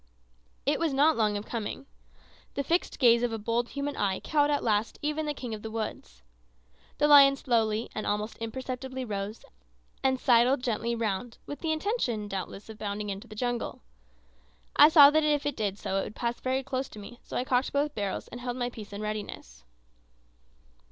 It was not long of coming. The fixed gaze of a bold human eye cowed at last even the king of the woods. The lion slowly and almost imperceptibly rose, and sidled gently round, with the intention, doubtless, of bounding into the jungle. I saw that if it did so it would pass very close to me so I cocked both barrels and held my piece in readiness.